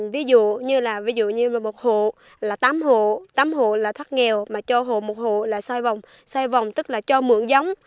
ví dụ như là một hộ là tám hộ tám hộ là thắt nghèo mà cho hộ một hộ là xoay vòng xoay vòng tức là cho mượn giống